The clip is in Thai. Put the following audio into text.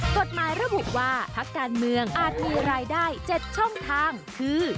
กฎหมายระบุว่าพักการเมืองอาจมีรายได้๗ช่องทางคือ